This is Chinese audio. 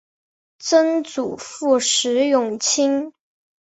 曾祖父石永清。